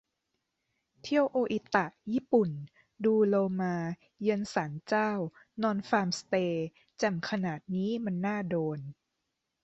เที่ยวโออิตะ ญี่ปุ่น ดูโลมา เยือนศาลเจ้า นอนฟาร์มสเตย์ แจ่มขนาดนี้มันน่าโดน